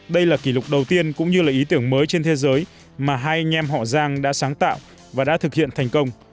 đây là kỷ lục đầu tiên cũng như là ý tưởng mới trên thế giới mà hai anh em họ giang đã sáng tạo và đã thực hiện thành công